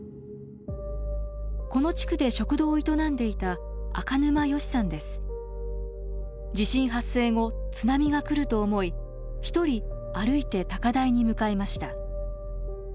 この地区で食堂を営んでいた地震発生後津波が来ると思い一人歩いて高台に向かいました。